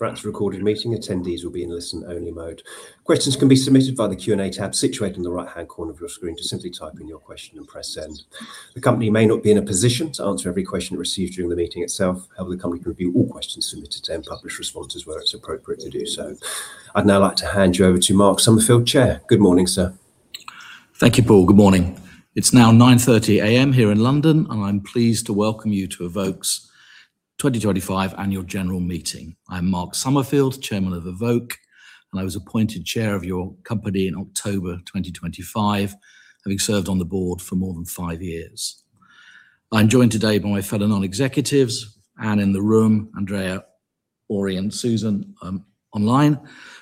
For today's recorded meeting, attendees will be in listen-only mode. Questions can be submitted via the Q&A tab situated in the right-hand corner of your screen. Just simply type in your question and press send. The company may not be in a position to answer every question received during the meeting itself. However, the company will review all questions submitted today and publish responses where it's appropriate to do so. I'd now like to hand you over to Mark Summerfield, Chair. Good morning, sir. Thank you, Paul. Good morning. It's now 9:30 A.M. here in London, I'm pleased to welcome you to Evoke's 2025 Annual General Meeting. I'm Mark Summerfield, Chairman of Evoke, I was appointed Chair of your company in October 2025, having served on the board for more than five years. I'm joined today by my fellow non-executives, in the room, Andrea, Ori, and Susan online.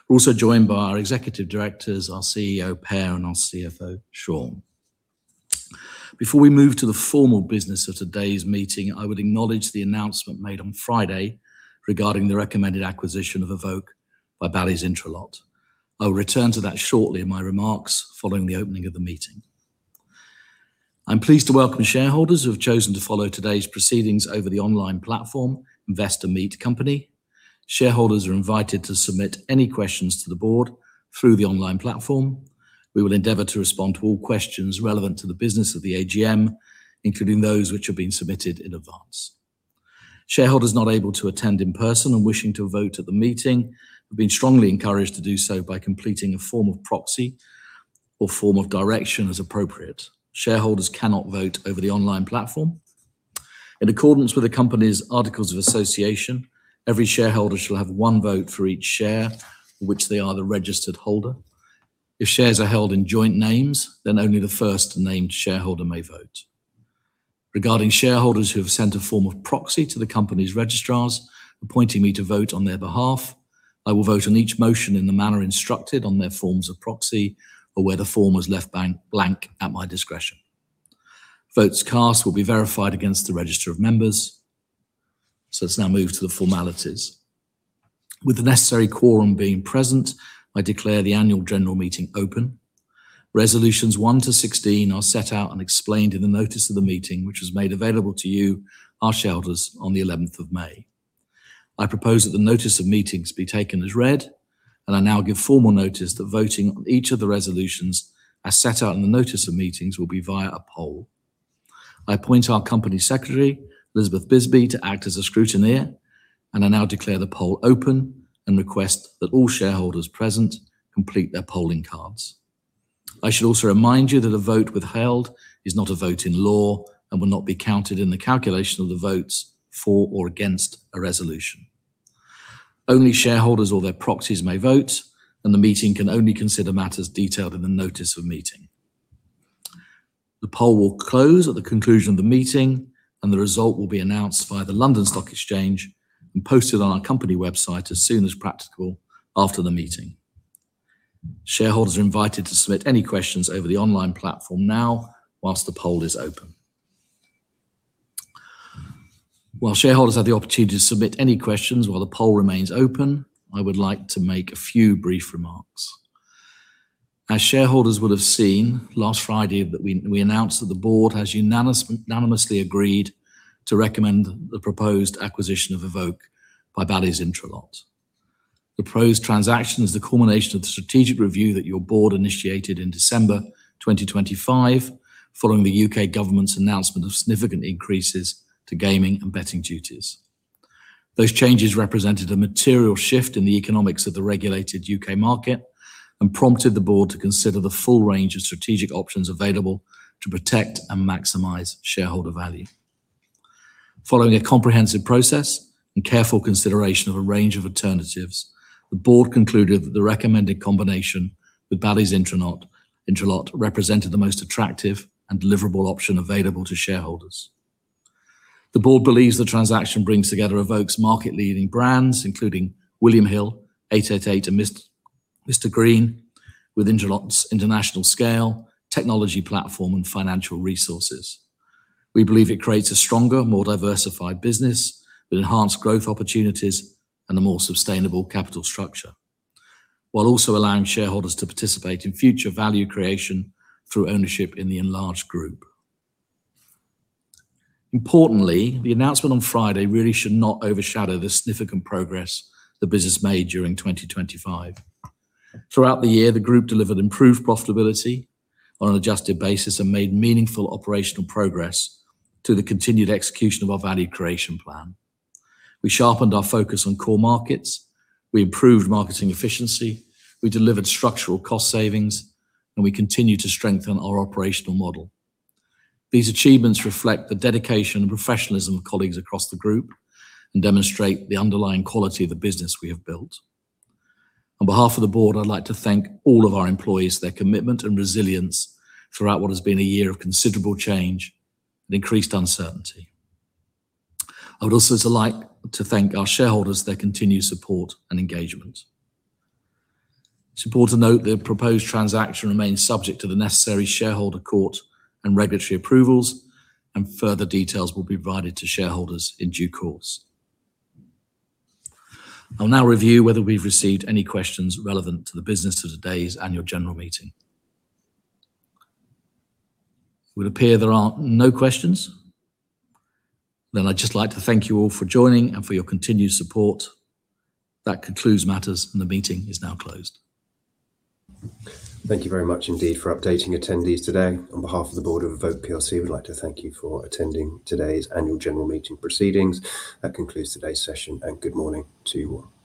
We're also joined by our executive directors, our CEO, Per, and our CFO, Shaun. Before we move to the formal business of today's meeting, I would acknowledge the announcement made on Friday regarding the recommended acquisition of Evoke by Bally's Intralot. I will return to that shortly in my remarks following the opening of the meeting. I'm pleased to welcome shareholders who have chosen to follow today's proceedings over the online platform, Investor Meet Company. Shareholders are invited to submit any questions to the board through the online platform. We will endeavor to respond to all questions relevant to the business of the AGM, including those which have been submitted in advance. Shareholders not able to attend in person and wishing to vote at the meeting have been strongly encouraged to do so by completing a form of proxy or form of direction as appropriate. Shareholders cannot vote over the online platform. In accordance with the company's articles of association, every shareholder shall have one vote for each share, which they are the registered holder. If shares are held in joint names, only the first-named shareholder may vote. Regarding shareholders who have sent a form of proxy to the company's registrars appointing me to vote on their behalf, I will vote on each motion in the manner instructed on their forms of proxy, or where the form was left blank, at my discretion. Votes cast will be verified against the register of members. Let's now move to the formalities. With the necessary quorum being present, I declare the annual general meeting open. Resolutions one to 16 are set out and explained in the notice of the meeting, which was made available to you, our shareholders, on the 11th of May. I propose that the notice of meetings be taken as read, I now give formal notice that voting on each of the resolutions, as set out in the notice of meetings, will be via a poll. I appoint our company secretary, Elizabeth Bisby, to act as a scrutineer, and I now declare the poll open and request that all shareholders present complete their polling cards. I should also remind you that a vote withheld is not a vote in law and will not be counted in the calculation of the votes for or against a resolution. Only shareholders or their proxies may vote, and the meeting can only consider matters detailed in the notice of meeting. The poll will close at the conclusion of the meeting, and the result will be announced via the London Stock Exchange and posted on our company website as soon as practicable after the meeting. Shareholders are invited to submit any questions over the online platform now whilst the poll is open. While shareholders have the opportunity to submit any questions while the poll remains open, I would like to make a few brief remarks. As shareholders would have seen, last Friday, we announced that the board has unanimously agreed to recommend the proposed acquisition of Evoke by Bally's Intralot. The proposed transaction is the culmination of the strategic review that your board initiated in December 2025 following the U.K. government's announcement of significant increases to gaming and betting duties. Those changes represented a material shift in the economics of the regulated U.K. market and prompted the board to consider the full range of strategic options available to protect and maximize shareholder value. Following a comprehensive process and careful consideration of a range of alternatives, the board concluded that the recommended combination with Bally's Intralot represented the most attractive and deliverable option available to shareholders. The board believes the transaction brings together Evoke's market-leading brands, including William Hill, 888 and Mr Green, with Intralot's international scale, technology platform, and financial resources. We believe it creates a stronger, more diversified business with enhanced growth opportunities and a more sustainable capital structure, while also allowing shareholders to participate in future value creation through ownership in the enlarged group. Importantly, the announcement on Friday really should not overshadow the significant progress the business made during 2025. Throughout the year, the group delivered improved profitability on an adjusted basis and made meaningful operational progress to the continued execution of our value creation plan. We sharpened our focus on core markets. We improved marketing efficiency. We delivered structural cost savings, and we continue to strengthen our operational model. These achievements reflect the dedication and professionalism of colleagues across the group and demonstrate the underlying quality of the business we have built. On behalf of the board, I'd like to thank all of our employees, their commitment and resilience throughout what has been a year of considerable change and increased uncertainty. I would also like to thank our shareholders for their continued support and engagement. It's important to note the proposed transaction remains subject to the necessary shareholder, court and regulatory approvals, and further details will be provided to shareholders in due course. I'll now review whether we've received any questions relevant to the business of today's annual general meeting. It would appear there are no questions. I'd just like to thank you all for joining and for your continued support. That concludes matters, and the meeting is now closed. Thank you very much indeed for updating attendees today. On behalf of the board of Evoke plc, we'd like to thank you for attending today's Annual General Meeting proceedings. That concludes today's session. Good morning to you all.